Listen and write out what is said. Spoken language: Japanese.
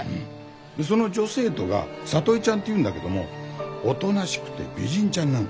でその女生徒が里江ちゃんっていうんだけどもおとなしくて美人ちゃんなの。